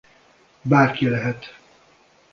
Bárki lehet.